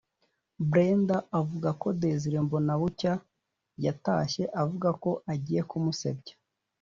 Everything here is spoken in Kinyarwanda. Brenda avuga ko Désiré Mbonabucya yatashye avuga ko agiye kumusebya